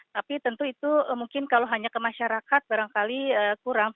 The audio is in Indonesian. tapi tentu itu mungkin kalau hanya ke masyarakat barangkali kurang